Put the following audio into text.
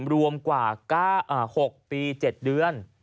รวมกว่า๖ปี๗เดือน